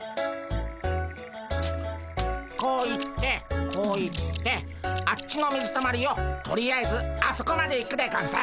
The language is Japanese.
こう行ってこう行ってあっちの水たまりをとりあえずあそこまで行くでゴンス。